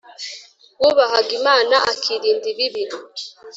wubahaga imana akirinda ibibi